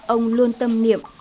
ông luôn tâm niệm